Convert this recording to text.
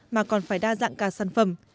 mà còn phải đa dạng cả sản phẩm